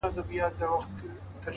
مهرباني د انسانیت ژبه ده؛